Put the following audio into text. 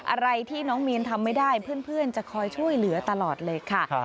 อะไรที่น้องมีนทำไม่ได้เพื่อนจะคอยช่วยเหลือตลอดเลยค่ะ